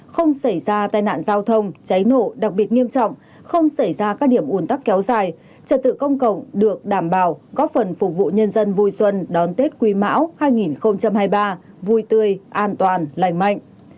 không xảy ra tai nạn giao thông cháy nổ đặc biệt nghiêm trọng không xảy ra các điểm ủn tắc kéo dài trật tự công cộng được đảm bảo góp phần phục vụ nhân dân vui xuân đón tết quý mão hai nghìn hai mươi ba vui tươi an toàn lành mạnh